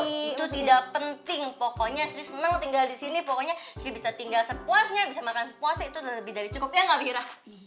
itu tidak penting pokoknya sih seneng tinggal di sini pokoknya si bisa tinggal sepuasnya bisa makan sepuasnya itu lebih dari cukup ya nggak mira